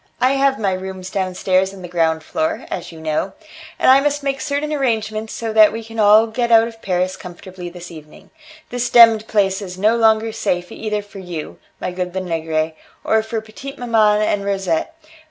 I have my rooms downstairs on the ground floor, as you know, and I must make certain arrangements so that we can all get out of Paris comfortably this evening. The demmed place is no longer safe either for you, my good Lenegre, or for petite maman and Rosette.